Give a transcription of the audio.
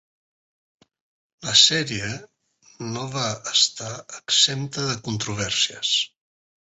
La sèrie no va estar exempta de controvèrsies.